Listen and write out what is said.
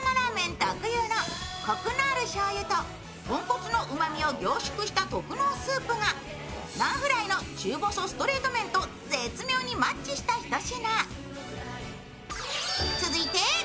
特有のコクのあるしょうゆと豚骨のうまみを凝縮した特濃スープがノンフライの中細ストレート麺と絶妙にマッチしたひと品。